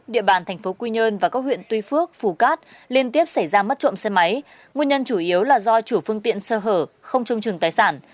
địa bàn thành phố quy nhơn và các huyện tuy phước phú cát liên tiếp xảy ra mất trộm xe máy nguyên nhân chủ yếu là do chủ phương tiện sơ hở không trông chừng tài sản